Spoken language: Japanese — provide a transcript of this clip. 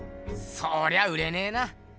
そりゃ売れねえな。